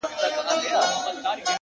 راكيټونو دي پر ما باندي را اوري ـ